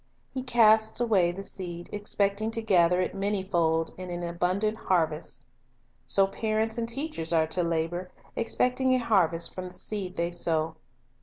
He casts away the seed, expecting to gather it many fold in an abundant harvest. So parents and teachers are to labor, expecting a harvest from the seed they sow.